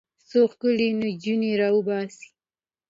څو ښکلې نجونې راوباسي.